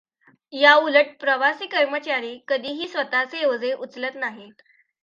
याउलट ‘प्रवासी’ कर्मचारी कधीही स्वतःचे ओझे उचलत नाहीत.